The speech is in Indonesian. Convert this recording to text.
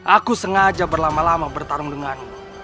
aku sengaja berlama lama bertarung dengan